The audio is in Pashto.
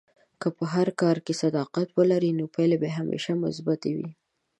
که په هر کار کې صداقت ولرې، نو پایلې به همیشه مثبتې وي.